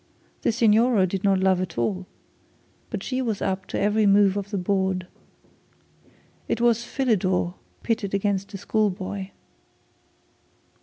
The signora did not love at all, but she was up to every move on the board. It was Philidor pitched against a school boy.